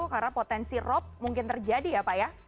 karena potensi rob mungkin terjadi ya pak ya